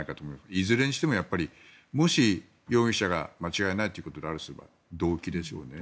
いずれにしても、容疑者が間違いないということであれば動機でしょうね。